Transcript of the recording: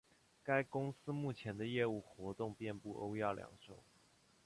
该公司目前的业务活动遍布欧亚两洲。